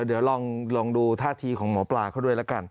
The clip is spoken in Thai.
เดี๋ยวลองดูท่าทีของหมอปลาเขาด้วยแล้วกัน